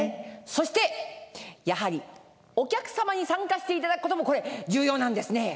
そしてやはりお客様に参加していただくこともこれ重要なんですね。